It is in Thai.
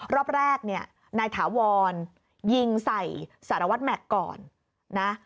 รอบแรกนี่ในถาวรยิงใส่สารวัฒน์แม็กซ์ก่อน